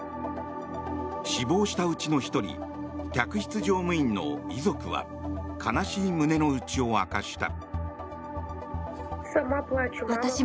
死亡したうちの１人客室乗務員の遺族は悲しい胸の内を明かした。